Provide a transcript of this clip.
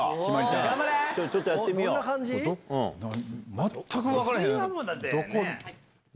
全く分かれへん。